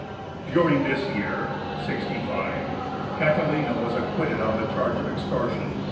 During this year (65) Catilina was acquitted on the charge of extortion.